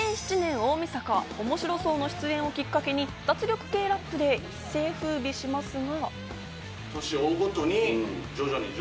大みそか『おもしろ荘』の出演をきっかけに脱力系ラップで一世風靡しますが。